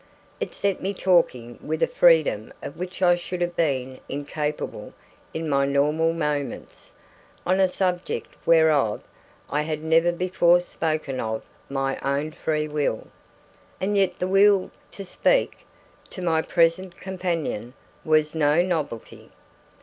It set me talking with a freedom of which I should have been incapable in my normal moments, on a subject whereof I had never before spoken of my own free will. And yet the will to speak to my present companion was no novelty.